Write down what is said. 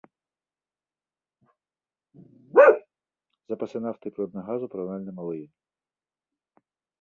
Запасы нафты і прыроднага газу параўнальна малыя.